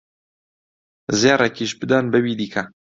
زێڕێکیش بدەن بەوی دیکە